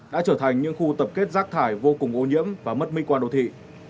đã trở thành những khu tập kết rác thải vô cùng ô nhiễm và mất minh quan đô thị